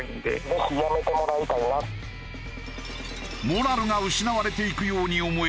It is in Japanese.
モラルが失われていくように思える日本。